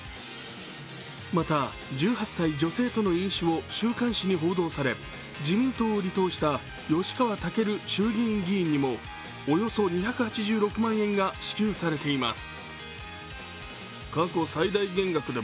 また１８歳女性との飲酒を週刊誌に報道され自民党を離党した吉川赳衆議院議員にもおよそ２８６万円が支給されています